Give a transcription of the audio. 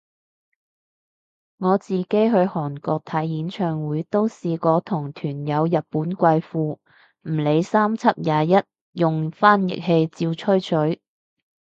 我自己去韓國睇演唱會都試過同團有日本貴婦，唔理三七廿一用翻譯器照吹水